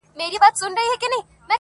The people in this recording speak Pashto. پلار یې خړي سترګي کښته واچولې،